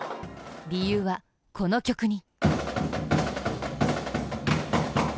理由は、この曲に。